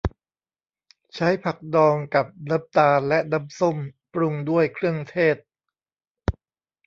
ใช้ผักดองกับน้ำตาลและน้ำส้ม ปรุงด้วยเครื่องเทศ